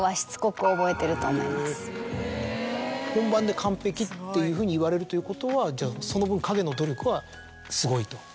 本番で完璧っていうふうに言われるということはじゃあその分陰の努力はすごいと。